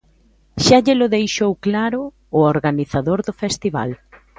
Xa llelo deixou claro o organizador do festival.